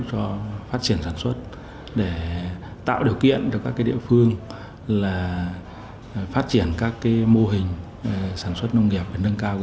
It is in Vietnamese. tổng diện tích sáu mươi hectare tại các vùng chè trọng điểm thuộc các huyện đồng hỷ phú lương đại từ